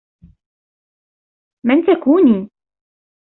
من تكونيِِ؟